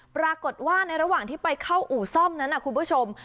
ปรากฏว่าในระหว่างที่ไปเข้าอู่ซ่อมนั้นคุณผู้ชม